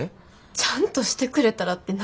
ちゃんとしてくれたらって何？